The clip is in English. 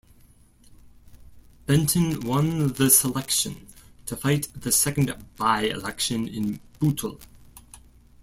Benton won the selection to fight the second by-election in Bootle.